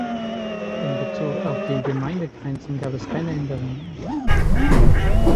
Im Bezug auf die Gemeindegrenzen gab es keine Änderungen.